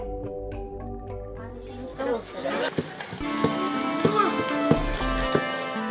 saya juga berjalan dengan senang hati